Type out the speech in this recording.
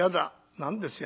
「何ですよ